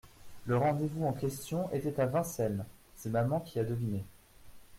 Le rendez-vous en question était à Vincennes ; c'est maman qui a deviné.